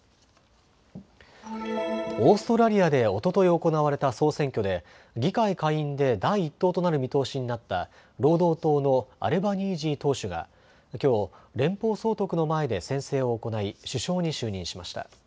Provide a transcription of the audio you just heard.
オーストラリアでおととい行われた総選挙で議会下院で第１党となる見通しになった労働党のアルバニージー党首がきょう、連邦総督の前で宣誓を行い首相に就任しました。